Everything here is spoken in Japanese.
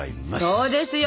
そうですよ！